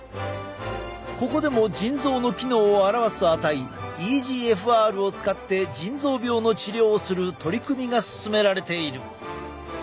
ここでも腎臓の機能を表す値ｅＧＦＲを使って腎臓病の治療をする取り組みが進められている。